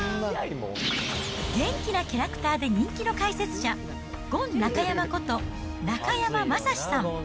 元気なキャラクターで人気の解説者、ゴン中山こと、中山雅史さん。